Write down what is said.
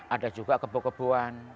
ada juga kebo keboan